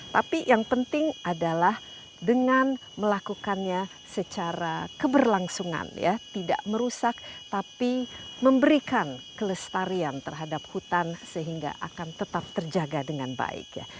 tapi yang penting adalah dengan melakukannya secara keberlangsungan ya tidak merusak tapi memberikan kelestarian terhadap hutan sehingga akan tetap terjaga dengan baik ya